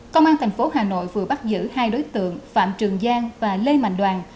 công an thành phố hà nội vừa bắt giữ hai đối tượng phạm trường giang và lê mạnh đoàn